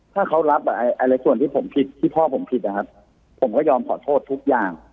ถ้าเขารับอะไรส่วนที่ผมผิดที่พ่อผมผิดนะครับผมก็ยอมขอโทษทุกอย่าง